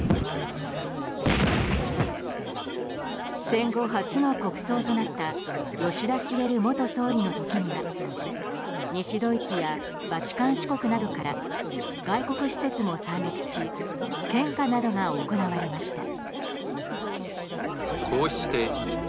戦後初の国葬となった吉田茂元総理の時には西ドイツやバチカン市国などから外国使節も参列し献花などが行われました。